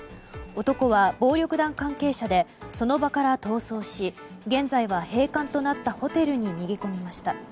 男は暴力団関係者でその場から逃走し現在は閉館となったホテルに逃げ込みました。